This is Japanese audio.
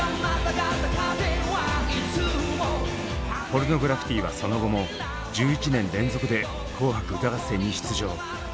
ポルノグラフィティはその後も１１年連続で「紅白歌合戦」に出場。